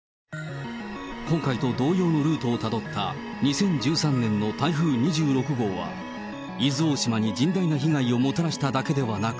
今回と同様のルートをたどった２０１３年の台風２６号は、伊豆大島に甚大な被害をもたらしただけではなく、